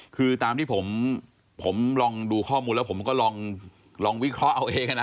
คือตามที่ผมลองดูข้อมูลแล้วผมก็ลองวิเคราะห์เอาเองนะ